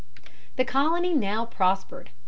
The colony now prospered.